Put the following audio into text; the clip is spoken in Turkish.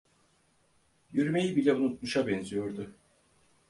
Yürümeyi bile unutmuşa benziyordu.